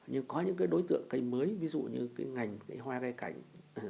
nhưng có những cái đối tượng cây mới ví dụ như cái ngành cây hoa cây cảnh